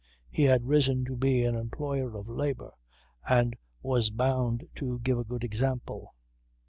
He had risen to be an employer of labour and was bound to give a good example.